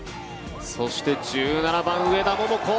そして１７番、上田桃子。